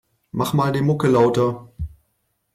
Mach mal die Mucke lauter.